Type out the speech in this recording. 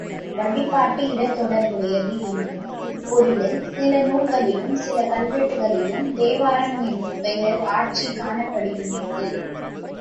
வழிபாட்டு இடத் தொடர்புடையது என்னும் பொருளில் சில நூல்களிலும் சில கல்வெட்டுகளிலும் தேவாரம் என்னும் பெயர் ஆட்சி காணப்படுகின்றது.